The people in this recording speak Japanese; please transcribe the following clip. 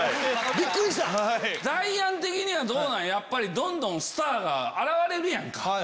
びっくりしたん⁉ダイアン的にはどうなん？どんどんスターが現れるやんか。